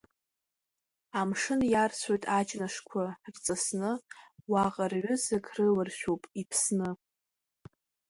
Амшын иарцәоит аҷнышқәа рҵысны, уаҟа рҩызак рыларшәуп иԥсны.